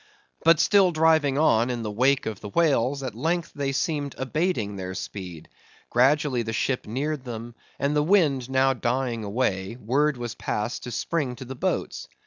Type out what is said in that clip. But still driving on in the wake of the whales, at length they seemed abating their speed; gradually the ship neared them; and the wind now dying away, word was passed to spring to the boats.